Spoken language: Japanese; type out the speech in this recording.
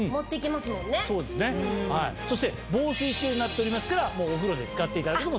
防水仕様になっておりますからお風呂で使っていただくことも。